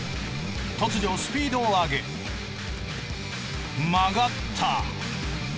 突如スピードを上げ曲がった。